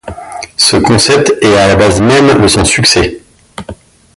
Ce concept est à la base même de son succès.